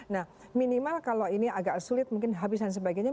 nah minimal kalau ini agak sulit mungkin habisan sebagainya